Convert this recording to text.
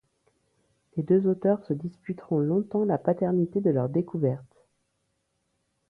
Les deux auteurs se disputeront longtemps la paternité de leur découverte.